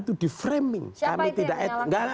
itu di framing siapa itu yang menyalahkan